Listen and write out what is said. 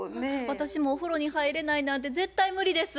私もお風呂に入れないなんて絶対無理です。